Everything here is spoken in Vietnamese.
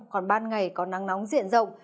còn ban ngày có nắng nóng diện rộng